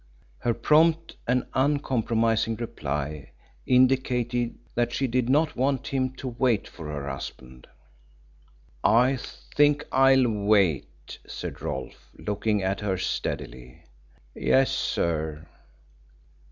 Her prompt and uncompromising reply indicated that she did not want him to wait for her husband. "I think I'll wait," said Rolfe, looking at her steadily. "Yes, sir."